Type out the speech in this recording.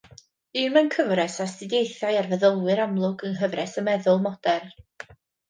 Un mewn cyfres o astudiaethau ar feddylwyr amlwg, yng Nghyfres y Meddwl Modern.